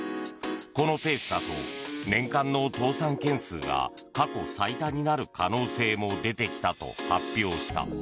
このペースだと年間の倒産件数が過去最多になる可能性も出てきたと発表した。